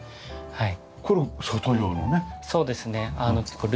はい。